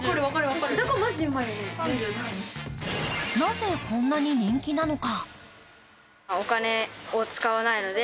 なぜこんなに人気なのか？